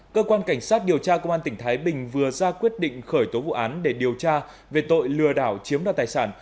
cơ quan cảnh sát điều tra công an tỉnh thái bình vừa ra quyết định khởi tố vụ án để điều tra về tội lừa đảo chiếm đoạt tài sản